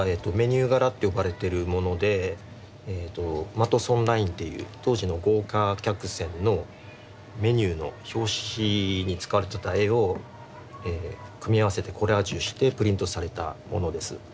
マトソンラインという当時の豪華客船のメニューの表紙に使われてた絵を組み合わせてコラージュしてプリントされたものです。